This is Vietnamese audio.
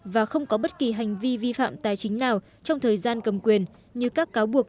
và không có bất kỳ hành vi vi phạm tài chính nào trong thời gian cầm quyền như các cáo buộc